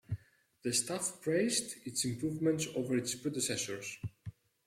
The staff praised its improvements over its predecessors.